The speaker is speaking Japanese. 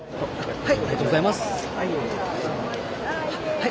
はい。